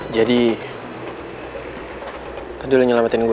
jadi kan dulu lo nyelamatin gue